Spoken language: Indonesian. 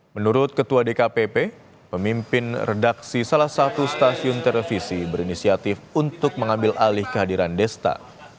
menurut ketua dkpp pemimpin redaksi salah satu stasiun televisi berinisiatif untuk mengambil alih kehadiran desta